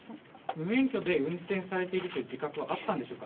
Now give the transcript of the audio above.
無免許で運転されている自覚はあったんでしょうか。